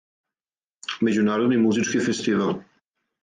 Међународни музички фестивал.